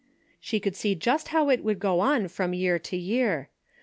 She could see just how it would go on from year to year.